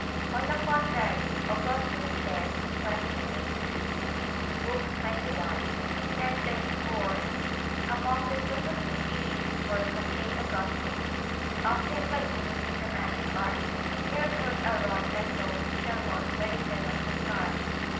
On the contrary, Augustine says (Q. 83) [*Lib. xxi, Sent. sent 4, among the supposititious works of St. Augustine]: "Often by means of the magic art miracles are wrought like those which are wrought by the servants of God."